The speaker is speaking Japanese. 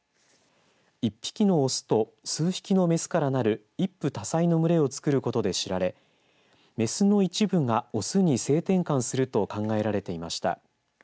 １匹のオスと数匹のメスからなる一夫多妻の群れを作ることで知られメスの一部がオスに性転換すると考えられていました。